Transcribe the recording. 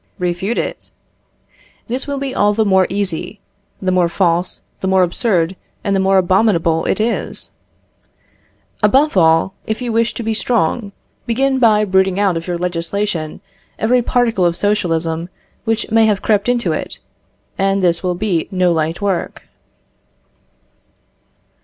Refute it. This will be all the more easy, the more false, the more absurd and the more abominable it is. Above all, if you wish to be strong, begin by rooting out of your legislation every particle of socialism which may have crept into it, and this will be no light work.